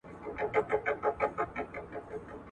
هغه فابريکي چي نوي ماشينونه لري ډير توليد کوي.